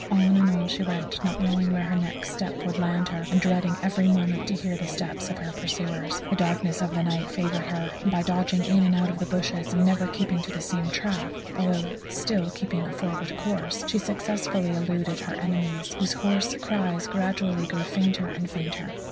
On and on she went, not knowing where her next step would land her, and dreading every moment to hear the steps of her pursuers. The darkness of the night favoured her, and by dodging in and out the bushes and never keeping to the same track, although still keeping a forward course, she successfully eluded her enemies, whose hoarse cries gradually grew fainter and fainter.